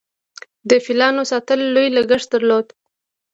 د فیلانو ساتل لوی لګښت درلود